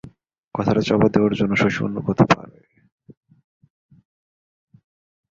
কথাটা চাপা দিবার জন্য শশী অন্য কথা পাড়ে।